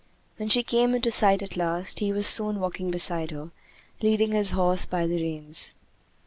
When she came into sight at last, he was soon walking beside her, leading his horse by the reins.